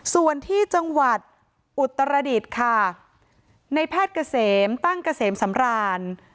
ส่วนที่จังหวัดอุตรดิษฐ์ค่ะในแพทย์เกษมตั้งเกษมสำราน